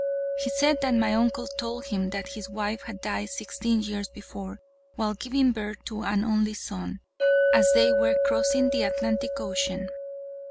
He said that my uncle told him that his wife had died sixteen years before, while giving birth to an only son, as they were crossing the Atlantic Ocean.